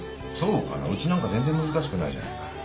そうかなうちなんか全然難しくないじゃないか。